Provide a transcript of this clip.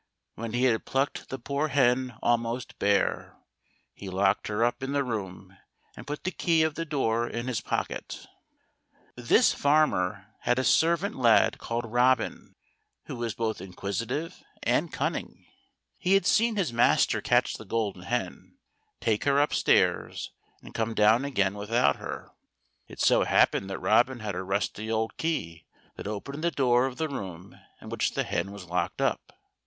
When he had plucked the poor hen almost bare, he locked her up in the room and put the key of the door in his pocket. This farmer had a servant lad called Robin, who was both inquisitive and cunning. He had seen THE GOLDEN HEN. 53 his master catch the Golden Hen, take her upstairs, and come down again without her. It so happened that Robin had a rusty old key that opened the door of the room in which the hen was locked up.